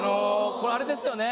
これあれですよね